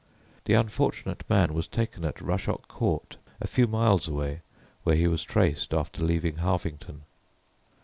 The unfortunate man was taken at Rushock Court, a few miles away where he was traced after leaving Harvington.